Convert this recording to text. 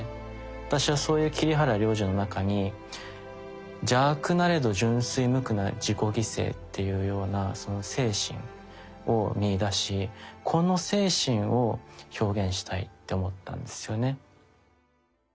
私はそういう桐原亮司の中に「邪悪なれど純粋無垢な自己犠牲」っていうようなその精神を見いだしこの精神を表現したいって思ったんですよね。